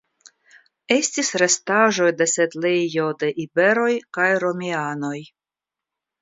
Estis restaĵoj de setlejo de iberoj kaj romianoj.